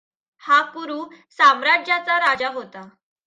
हा कुरु साम्राज्जाचा राजा होता.